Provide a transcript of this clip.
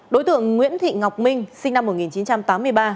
đối tượng nguyễn thị ngọc minh sinh năm một nghìn chín trăm tám mươi ba